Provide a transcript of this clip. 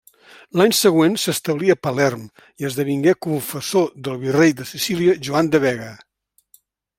L'any següent s'establí a Palerm i esdevingué confessor del virrei de Sicília Joan de Vega.